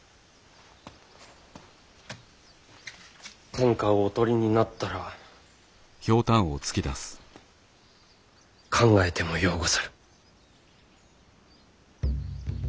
天下をお取りになったら考えてもようござる。